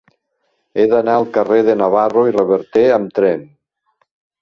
He d'anar al carrer de Navarro i Reverter amb tren.